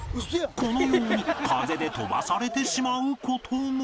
このように風で飛ばされてしまう事も